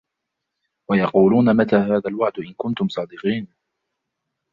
ويقولون متى هذا الوعد إن كنتم صادقين